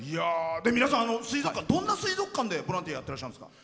皆さんどんな水族館でボランティアやってらっしゃるんですか？